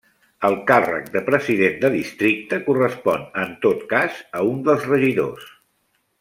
El càrrec de president de districte correspon en tot cas a un dels regidors.